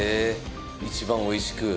一番おいしく。